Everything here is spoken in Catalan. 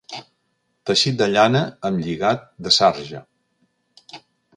Teixit de llana amb lligat de sarja.